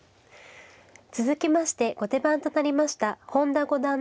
続きまして後手番となりました本田五段のお話です。